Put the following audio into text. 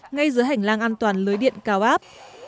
ngay giữa hành lang an toàn lưới điện cao áp